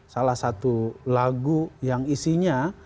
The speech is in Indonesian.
salah satu lagu yang isinya